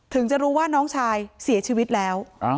ถึงจะรู้ว่าน้องชายเสียชีวิตแล้ว